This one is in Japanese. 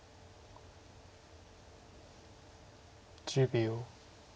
１０秒。